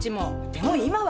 でも今は。